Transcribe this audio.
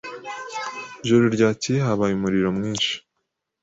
Ijoro ryakeye habaye umuriro mwinshi.